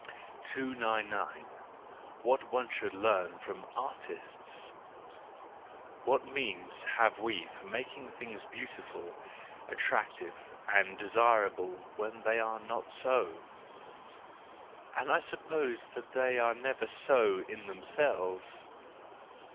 SANCTUS JANUARIUS 233 299. What one should Learn from Artists .—What means have we for making things beautiful, at¬ tractive, and desirable, when they are not so?— and I suppose they are never so in themselves